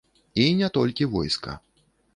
І не толькі войска.